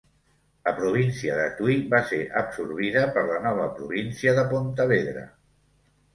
La província de Tui va ser absorbida per la nova província de Pontevedra.